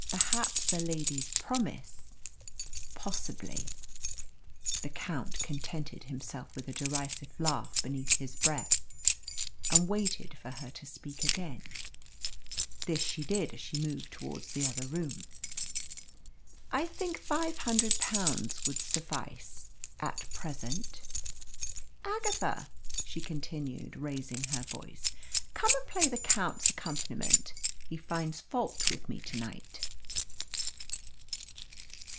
Perhaps a lady's promise " "Possibly." The Count contented himself with a derisive laugh beneath his breath, and waited for her to speak again. This she did as she moved towards the other room. "I think five hundred pounds would suffice at present. Agatha," she continued, raising her voice, "come and play the Count's accompaniment. He finds fault with me to night."